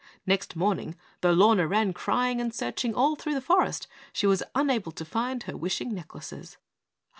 Next morning, though Lorna ran crying and searching all through the forest, she was unable to find her wishing necklaces."